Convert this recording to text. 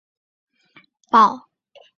首次登场于探险活宝。